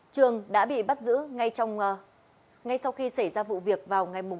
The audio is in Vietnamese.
trường đã bị bắt giữ ngay sau khi xảy ra vụ việc vào ngày bảy tháng năm